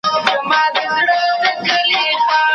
پیغام د ښکلیو کلماتو، استعارو،